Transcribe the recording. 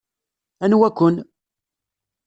Anwa-ken?